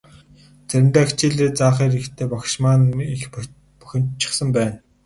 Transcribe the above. Заримдаа хичээлээ заахаар ирэхдээ багш маань маш их бухимдчихсан байна.